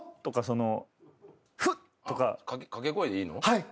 はい。